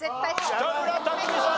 北村匠海さん